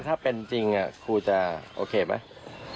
ถ้าเป็นจริงครูจะโอเคไหม